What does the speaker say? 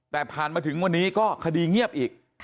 แต่ผ่านมาถึงวันนี้ก็คดีเงียบอีก